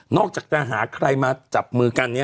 จากจะหาใครมาจับมือกัน